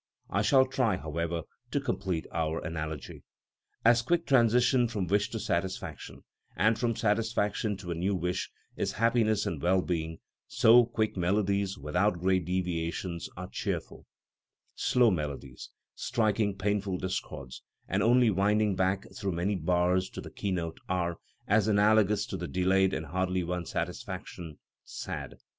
I shall try, however, to complete our analogy. As quick transition from wish to satisfaction, and from satisfaction to a new wish, is happiness and well being, so quick melodies without great deviations are cheerful; slow melodies, striking painful discords, and only winding back through many bars to the keynote are, as analogous to the delayed and hardly won satisfaction, sad.